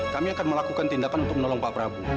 kami akan melakukan tindakan untuk menolong pak prabowo